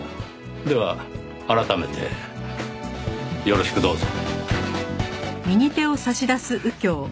では改めてよろしくどうぞ。